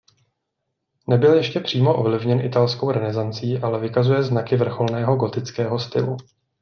Nebyl ještě přímo ovlivněn italskou renesancí ale vykazuje znaky vrcholného gotického stylu.